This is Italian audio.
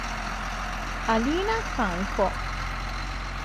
Alina San'ko